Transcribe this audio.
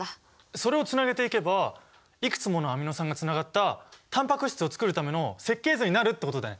それをつなげていけばいくつものアミノ酸がつながったタンパク質を作るための設計図になるってことだね！